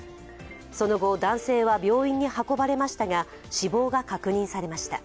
その後、男性は病院に運ばれましたが死亡が確認されました。